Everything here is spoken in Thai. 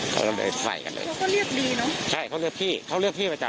เขาก็เลยใส่กันเลยเขาก็เรียกบีเนอะใช่เขาเรียกพี่เขาเรียกพี่ประจำ